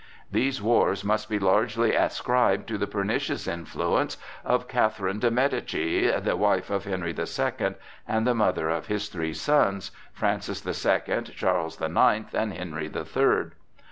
These wars must be largely ascribed to the pernicious influence of Catherine de Médicis, the wife of Henry the Second, and the mother of his three sons, Francis the Second, Charles the Ninth and Henry the Third.